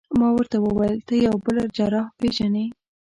ما ورته وویل: ته یو بل جراح پېژنې؟